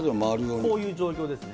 こういう状況ですね。